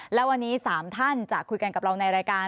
และวันนี้๓ท่านจะคุยกันกับเราในรายการ